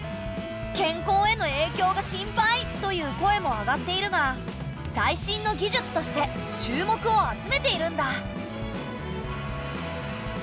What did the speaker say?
「健康へのえいきょうが心配」という声も上がっているが最新の技術として注目を集めているんだ。